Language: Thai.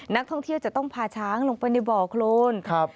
นักท่องเที่ยวจะต้องพาช้างลงไปในบ่อโครนครับ